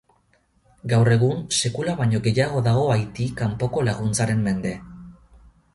Gaur egun, sekula baino gehiago dago Haiti kanpoko laguntzaren mende.